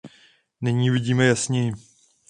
Nyní vidíme jasněji.